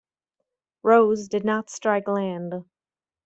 Rose did not strike land.